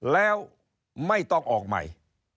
แล้วไม่ต้องออกใหม่